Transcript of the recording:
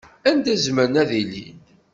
Anda zemren ad ilin?